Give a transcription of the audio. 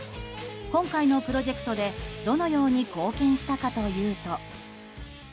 今回のプロジェクトでどのように貢献したかというと。